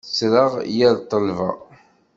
Ttreɣ yal ṭṭelba.